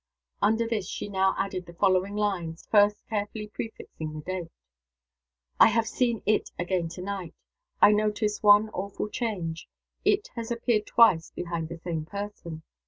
Under this she now added the following lines, first carefully prefixing the date: "I have seen IT again to night. I notice one awful change. IT has appeared twice behind the same person.